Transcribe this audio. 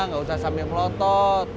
gak usah sambil melotot